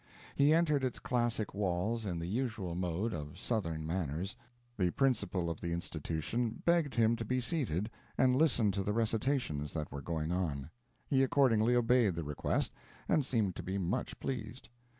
He entered its classic walls in the usual mode of southern manners. The principal of the Institution begged him to be seated and listen to the recitations that were going on. He accordingly obeyed the request, and seemed to be much pleased.